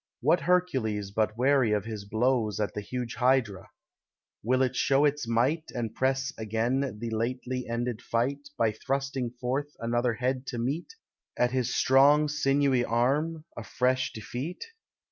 What Hercules but wearies of his blows At the huge Hydra? will it show its might, And press again the lately ended fight, By thrusting forth another head to meet, At his strong sinewy arm, a fresh defeat?